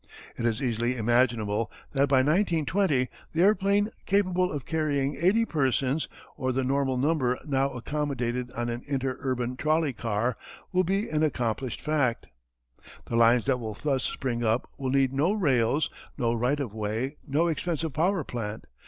It is easily imaginable that by 1920 the airplane capable of carrying eighty persons or the normal number now accommodated on an inter urban trolley car will be an accomplished fact. The lines that will thus spring up will need no rails, no right of way, no expensive power plant.